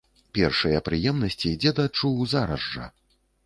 Першыя прыемнасці дзед адчуў зараз жа.